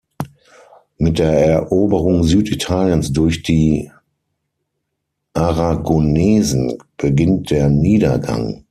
Mit der Eroberung Süditaliens durch die Aragonesen beginnt der Niedergang.